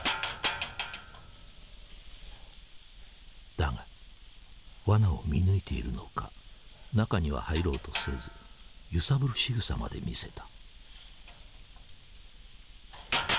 だがワナを見抜いているのか中には入ろうとせず揺さぶるしぐさまで見せた。